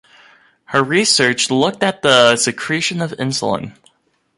Her research looked at the secretion of insulin.